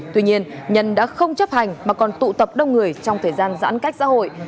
tuy nhiên nhân đã không chấp hành mà còn tụ tập đông người trong thời gian giãn cách xã hội